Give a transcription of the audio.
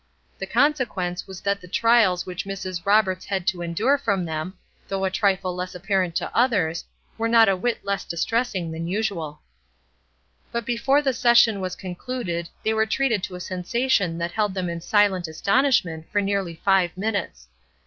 The consequence was that the trials which Mrs. Roberts had to endure from them, though a trifle less apparent to others, were not a whit less distressing than usual. But before the session was concluded they were treated to a sensation that held them in silent astonishment for nearly five minutes.